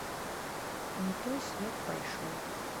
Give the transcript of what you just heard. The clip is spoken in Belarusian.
Не той свет пайшоў.